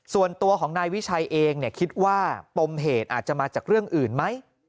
ส่วนตัวของนายวิชัยเองคิดว่าปมเหตุอาจจะมาจากเรื่องอื่นไหม